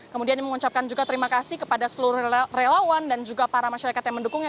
kemudian dia mengucapkan juga terima kasih kepada seluruh relawan dan juga para masyarakat yang mendukungnya